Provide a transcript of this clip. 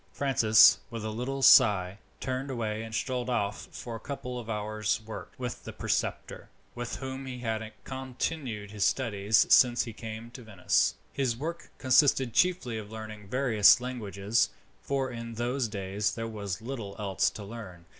Francis, with a little sigh, turned away and strolled off for a couple of hours' work with the preceptor, with whom he had continued his studies since he came to Venice. This work consisted chiefly of learning various languages, for in those days there was little else to learn.